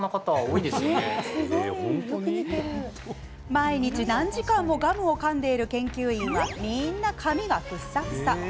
毎日、何時間もガムをかんでいる研究員はみんな髪がフサフサ。